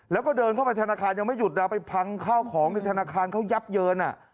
แล้วก็เดินเข้าไปธนาคารยังไม่หยุดนะไปพังข้าวของในธนาคารเขายับเยิน